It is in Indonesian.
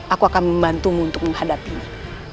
aku akan membantumu untuk menghadapinya